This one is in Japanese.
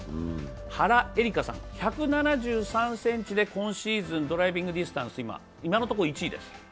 原英莉花さん１７３ｃｍで今シーズン、ドライビングディスタンス、今のところ１位です。